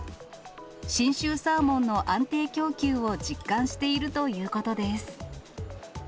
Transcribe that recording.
信州サーモンの安定供給を実感しているということです。